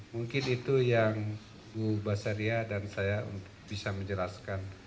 mungkin itu yang bu basaria dan saya bisa menjelaskan